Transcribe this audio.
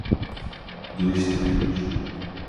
Dois trilhões